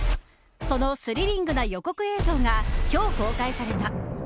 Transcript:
そのスリリングな予告映像が今日、公開された。